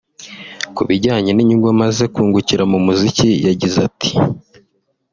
Ku bijyanye n'inyungu amaze kungukira mu muziki yagize ati